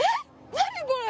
何これ！